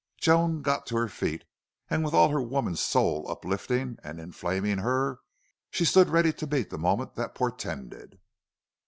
Joan got to her feet, and with all her woman's soul uplifting and inflaming her she stood ready to meet the moment that portended.